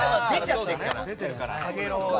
出ちゃってるから。